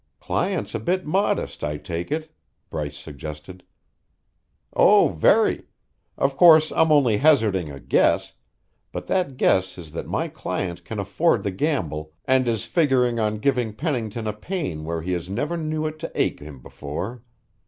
"Client's a bit modest, I take it," Bryce suggested. "Oh, very. Of course I'm only hazarding a guess, but that guess is that my client can afford the gamble and is figuring on giving Pennington a pain where he never knew it to ache him before.